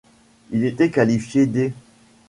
Il était qualifié d'.